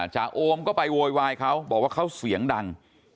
โอมก็ไปโวยวายเขาบอกว่าเขาเสียงดัง